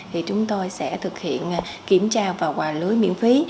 thì chúng tôi sẽ thực hiện kiểm tra và quà lưới miễn phí